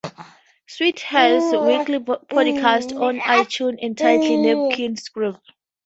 Sweet has weekly podcasting on iTunes entitled "Napkin Scribbles".